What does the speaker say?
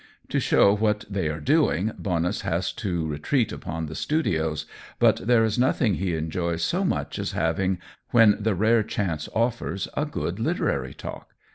To show what they are doing, Bonus has to retreat upon the studios, but there is nothing he enjoys so much as having, when the rare chance offers, a good literary talk.